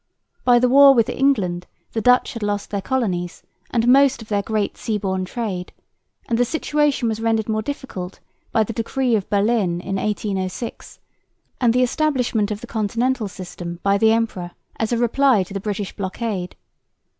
By the war with England the Dutch had lost their colonies and most of their great sea borne trade; and the situation was rendered more difficult by the Decree of Berlin in 1806 and the establishment of the "Continental System" by the emperor, as a reply to the British blockade.